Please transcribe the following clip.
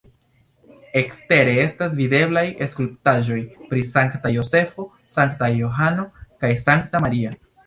Ekstere estas videblaj skulptaĵoj pri Sankta Jozefo, Sankta Johano kaj Sankta Maria.